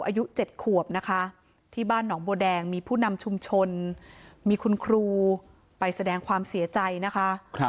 อายุ๗ขวบนะคะที่บ้านหนองบัวแดงมีผู้นำชุมชนมีคุณครูไปแสดงความเสียใจนะคะ